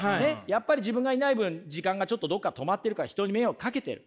やっぱり自分がいない分時間がちょっとどっか止まってるから人に迷惑かけてる。